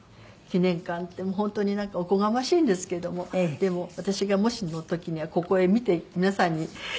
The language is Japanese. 記念館って本当になんかおこがましいんですけどもでも私がもしもの時にはここへ見て皆さんに。